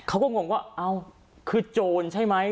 เขาก็งงว่าคือโจรใช่ไหม